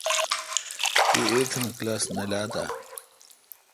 تی ایتھان کلاس نہ لات اؘ۔